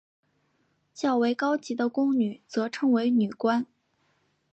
较为高级的宫女则称为女官。